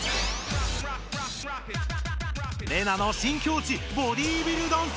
レナの新きょうちボディビルダンス！